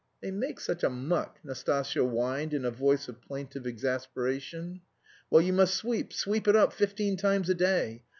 "They make such a muck!" Nastasya whined in a voice of plaintive exasperation. "Well, you must sweep, sweep it up fifteen times a day!